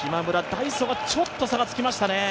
ダイソーがちょっと差がつきましたね。